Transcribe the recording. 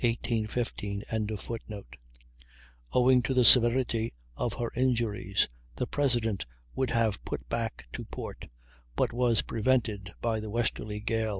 ] Owing to the severity of her injuries the President would have put back to port, but was prevented by the westerly gale.